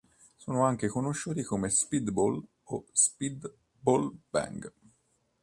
Sono anche conosciuti come "speedball" o "speed ball bag".